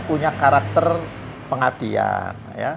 punya karakter pengabdian